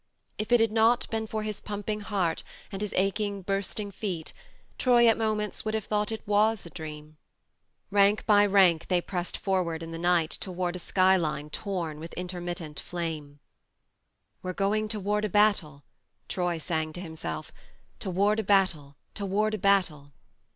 If it had not been for his pumping heart and his aching bursting feet, Troy at moments would have thought it was a dream. ... Rank by rank they pressed forward THE MARNE 123 in the night toward a sky line torn with intermittent flame. " We're going toward a battle," Troy sang to himself, "toward a battle, to ward a battle.